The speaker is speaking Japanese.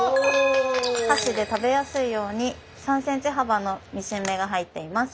箸で食べやすいように３ｃｍ幅のミシン目が入っています。